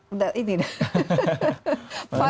oh ini dah